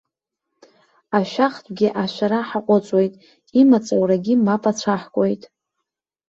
Ашәахтәгьы ашәара ҳаҟәыҵуеит, имаҵ аурагьы мап ацәаҳкуеит!